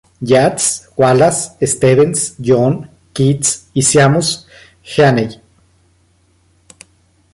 Yeats, Wallace Stevens, Jhon Keats y Seamus Heaney.